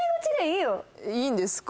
いいんですか？